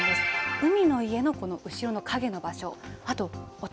海の家のこの後ろの陰の場所。